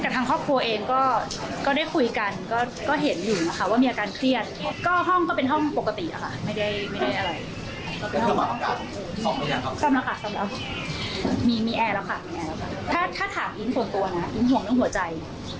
ถ้าเป็นมีอะไรขึ้นมามันยังไม่เร็วเท่าหัวใจ